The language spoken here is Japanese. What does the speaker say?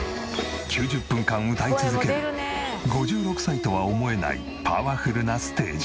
９０分間歌い続ける５６歳とは思えないパワフルなステージ。